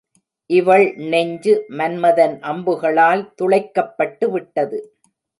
இவள் நெஞ்சு மன்மதன் அம்புகளால் துளைக்கப்பட்டுவிட்டது.